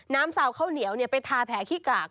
สาวข้าวเหนียวไปทาแผลขี้กาก